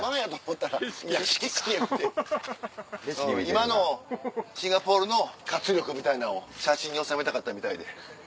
今のシンガポールの活力みたいなんを写真に収めたかったみたいで。